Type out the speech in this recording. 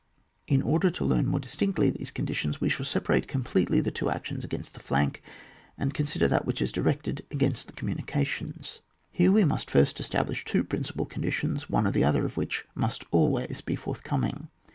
In order to learn more distinctly these conditions, we shall separate completely the two actions against the flank, and first consider that which is directed against the communications. Here we must first establish two prin cipal conditions, one or other of which must always be forthcoming.